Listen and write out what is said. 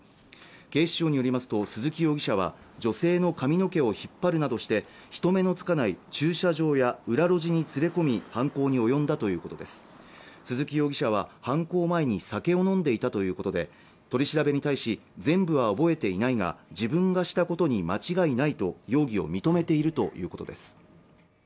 警視庁によりますと鈴木容疑者は女性の髪の毛を引っ張るなどして人目のつかない駐車場や裏路地に連れ込み犯行に及んだということです鈴木容疑者は犯行前に酒を飲んでいたということで取り調べに対し全部は覚えていないが自分がしたことに間違いないと容疑を認めているということです